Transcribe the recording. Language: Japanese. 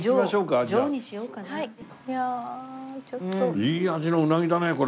「いい味のうなぎだねこれ」